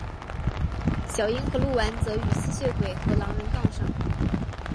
小樱和鹿丸则与吸血鬼和狼人杠上。